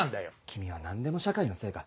君は何でも社会のせいか。